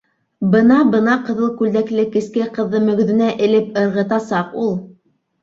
Бына-бына ҡыҙыл күлдәкле кескәй ҡыҙҙы мөгөҙөнә элеп ырғытасаҡ ул.